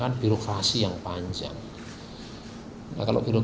kalau birokrasi yang panjang prosesnya akan panjang